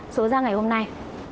số ra ngày hôm nay